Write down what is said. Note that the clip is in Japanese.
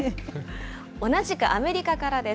同じくアメリカからです。